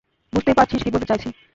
বুঝতেই পারছিস কী বলতে চাইছি!